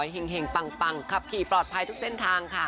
แห่งปังขับขี่ปลอดภัยทุกเส้นทางค่ะ